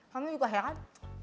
mami juga heran